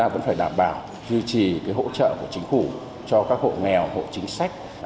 và duy trì hỗ trợ của chính phủ cho các hộ nghèo hộ chính sách